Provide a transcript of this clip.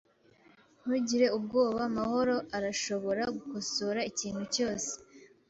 Ntugire ubwoba. mahoro arashobora gukosora ikintu cyose.